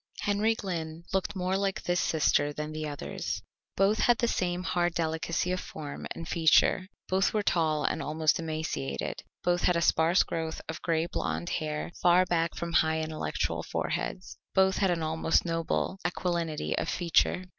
Henry Glynn looked more like this sister than the others. Both had the same hard delicacy of form and feature, both were tall and almost emaciated, both had a sparse growth of gray blond hair far back from high intellectual foreheads, both had an almost noble aquilinity of feature.